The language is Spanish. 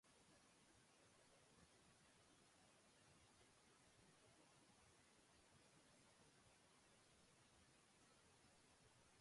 El torneo, fue nombrado "Sr. Franz Oppenheimer", exvicepresidente de Defensor Sporting.